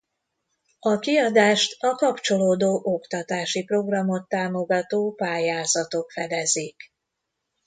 A kiadást a kapcsolódó oktatási programot támogató pályázatok fedezik.